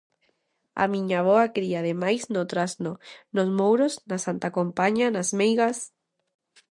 A miña avoa cría ademais no trasno, nos mouros, na Santa Compaña, nas meigas...